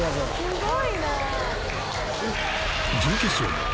すごいな。